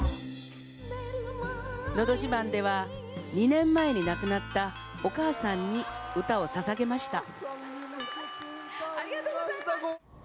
「のど自慢」では２年前に亡くなったお母さんに歌をささげました。